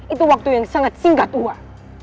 itu waktu yang sangat singkat uang